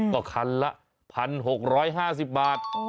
ก็คันละ๑๖๕๐บาท